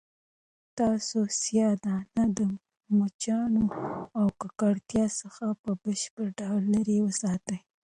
تاسو سیاه دانه د مچانو او ککړتیا څخه په بشپړ ډول لیرې وساتئ.